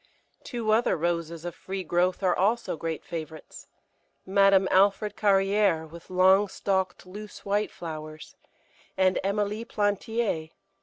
Two other Roses of free growth are also great favourites Madame Alfred Carrière, with long stalked loose white flowers, and Emilie Plantier.